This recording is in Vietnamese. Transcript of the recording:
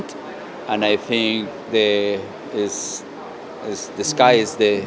của những người khởi nghiệp